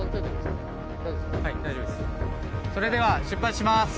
それでは出発します。